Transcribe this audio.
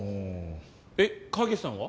え影さんは？